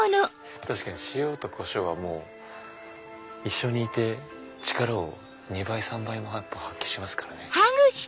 確かに塩とこしょうは一緒にいて力を２倍３倍も発揮しますからね。